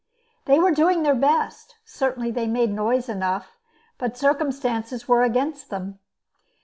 They were doing their best, certainly they made noise enough; but circumstances were against them.